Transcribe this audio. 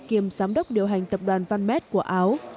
kiêm giám đốc điều hành tập đoàn van met của áo